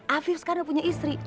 afif sekarang punya istri